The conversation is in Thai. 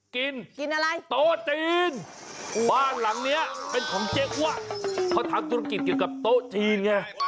กินกินอะไรโต๊ะจีนบ้านหลังนี้เป็นของเจ๊อ้วเขาทำธุรกิจเกี่ยวกับโต๊ะจีนไง